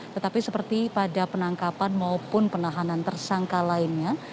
tetapi seperti pada penangkapan maupun penahanan tersangka lainnya